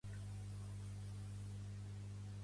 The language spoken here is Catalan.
Especialista en mitjans de comunicació i antic "Esquerrà!